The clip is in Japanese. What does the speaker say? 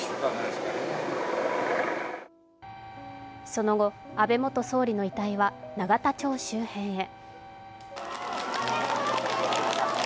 その後、安倍元総理の遺体は永田町周辺へ。